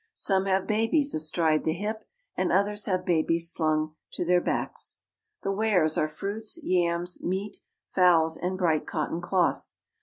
Some have babies astride the hip, and others have babies slung to their backs. The wares are fruits, yams, meat, fowls, and bright cotton cloths.